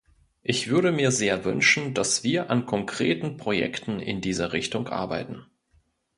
Ich würde mir sehr wünschen, dass wir an konkreten Projekten in dieser Richtung arbeiten.